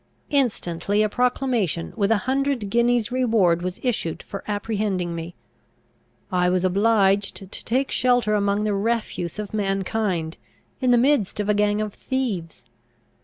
Instantly a proclamation, with a hundred guineas reward, was issued for apprehending me. I was obliged to take shelter among the refuse of mankind, in the midst of a gang of thieves.